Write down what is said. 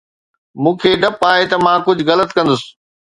مون کي ڊپ آهي ته مان ڪجهه غلط ڪندس